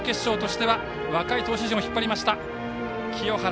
準決勝では若い投手陣を引っ張りました。